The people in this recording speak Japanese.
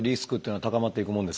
はい。